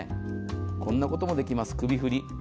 こんなこともできます、首振り。